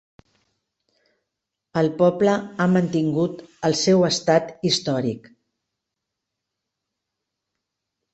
El poble ha mantingut el seu estat històric.